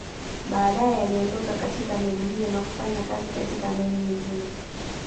Baadae aliondoka katika meli hiyo na kufanya kazi katika meli nyingine